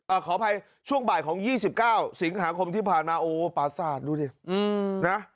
ขออภัยช่วงบ่ายของยี่สิบเก้าสิงหาคมที่ผ่านมาโอ้ปราศาสตร์ดูดิอืมนะ